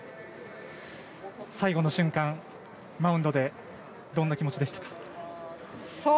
最後の瞬間、マウンドでどんな気持ちでしたか？